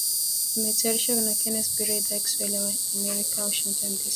Imetayarishwa na Kennes Bwire, Idhaa ya Kiswahili ya Sauti ya Amerika, Washington DC